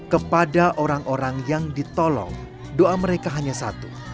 kepada orang orang yang ditolong doa mereka hanya satu